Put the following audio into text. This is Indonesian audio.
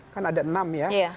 kan ada enam ya